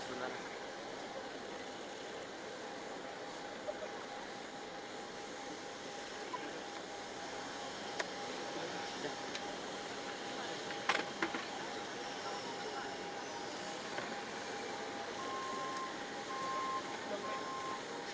sehingga percaya bukti seharusnya berbelit di dalamato ortholo his bi ponse stunned